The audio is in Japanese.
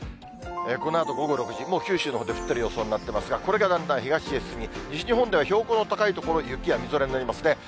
このあと午後６時、もう九州のほうで降っている予想なんですが、これがだんだん東へ進み、西日本では標高の高い所、雪やみぞれになりますね。